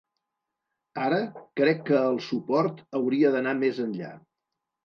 Ara, crec que el suport hauria d’anar més enllà.